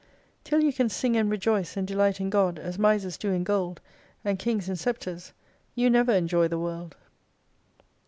Till you can sing and rejoice and delight in God, as misers do in gold, and Kings in sceptres, you never enjoy the world.